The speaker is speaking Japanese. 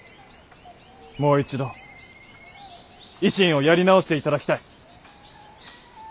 もう一度維新をやり直していただきたい。